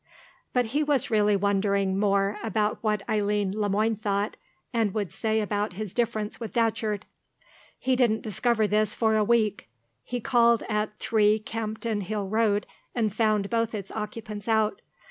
But he was really wondering more what Eileen Le Moine thought and would say about his difference with Datcherd. He didn't discover this for a week. He called at 3, Campden Hill Road, and found both its occupants out.